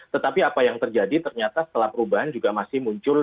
tetapi apa yang terjadi ternyata setelah perubahan juga masih muncul